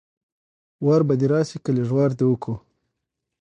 وار به دې راشي که لږ وار دې وکړ